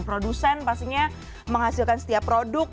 produsen pastinya menghasilkan setiap produk